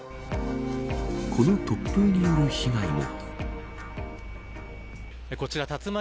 この突風による被害も。